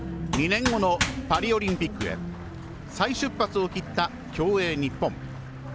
２年後のパリオリンピックへ再出発を切った競泳日本。